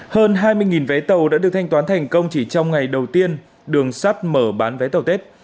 hơn hai mươi vé tàu đã được thanh toán thành công chỉ trong ngày đầu tiên đường sắt mở bán vé tàu tết